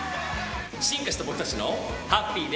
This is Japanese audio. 進化した僕たちのハッピーで。